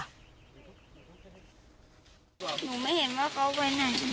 หนูไม่เห็นว่าเขาไปไหน